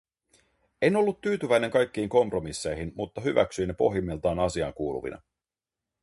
En ollut tyytyväinen kaikkiin kompromisseihin, mutta hyväksyin ne pohjimmiltaan asiaan kuuluvina.